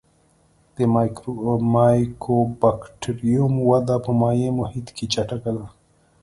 د مایکوبکټریوم وده په مایع محیط کې چټکه ده.